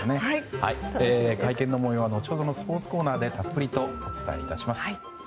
会見の模様は後ほどのスポーツコーナーでたっぷりとお伝えします。